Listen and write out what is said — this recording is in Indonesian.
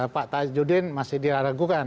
pak tajudin masih diragukan